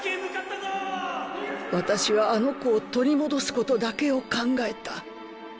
（私はあの子を取り戻すことだけを考えた。